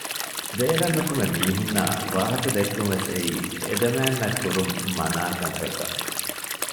ބޭރަށް ނުކުމެ މީހުންނާއި ވާހަކަ ދެއްކުންވެސް އެއީ އެދެމައިންނަށް ކުރުން މަނާކަންތައްތައް